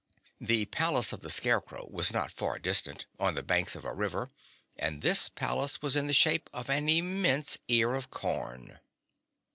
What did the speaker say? The palace of the Scarecrow was not far distant, on the banks of a river, and this palace was in the shape of an immense ear of corn.